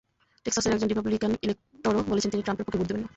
টেক্সাসের একজন রিপাবলিকান ইলেকটরও বলেছেন, তিনি ট্রাম্পের পক্ষে ভোট দেবেন না।